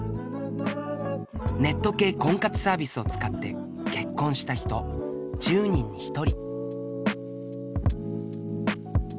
ネット系婚活サービスを使って結婚した人１０人に１人。